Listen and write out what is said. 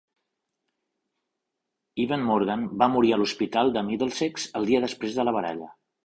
Evan Morgan va morir a l'hospital de Middlesex el dia després de la baralla.